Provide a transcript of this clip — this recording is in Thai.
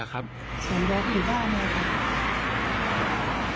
ส่วนนายเป็นด้านเนย